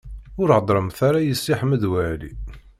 Ur heddṛemt ara i Si Ḥmed Waɛli.